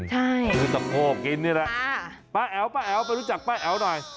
ใช่ซื้อตะโก้กินนี่แหละป้าแอ๋วไปรู้จักป้าแอ๋วหน่อย